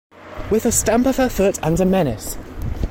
With a stamp of her foot and a menace.